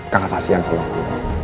kakak kasihan sama kamu